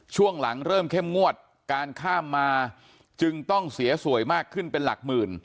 ช่วงหลังเริ่มเข้มงวดการข้ามมาจึงต้องเสียสวยมากขึ้นเป็นหลักหมื่น